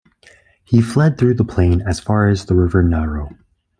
He fled through the plain as far as the river Naro.